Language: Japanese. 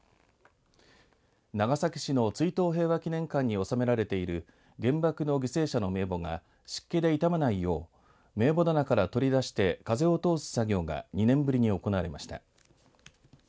長崎市の追悼平和祈念館に収められている原爆の犠牲者の名簿が湿気で傷まないよう名簿棚から取り出して風を通す作業が２年ぶりに行われました。